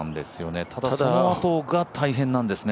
そのあとが大変なんですよね。